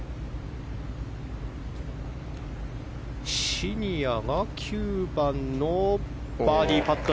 シニアが９番のバーディーパット。